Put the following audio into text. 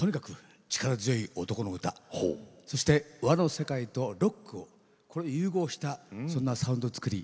力強い男の歌そして和の世界とロックを融合したそんなサウンド作り